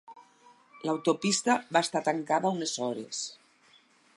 L"autopista va estar tancada unes hores.